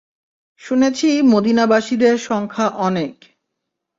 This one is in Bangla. শুনেছি মদীনাবাসীদের সংখ্যা অনেক।